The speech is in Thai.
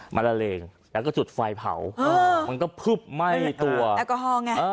มันละเลงแล้วก็จุดไฟเผามันก็พึบไหม้ตัวแอลกอฮอลไง